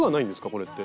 これって。